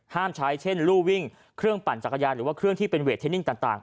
ใช้เช่นลู่วิ่งเครื่องปั่นจักรยานหรือว่าเครื่องที่เป็นเวทเทนิ่งต่าง